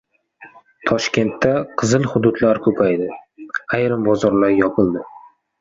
Toshkentda «qizil» hududlar ko‘paydi. Ayrim bozorlar yopildi